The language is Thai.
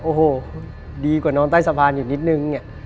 โอ้โหดีกว่านอนใต้สะพานอยู่นิดนึงเนี่ย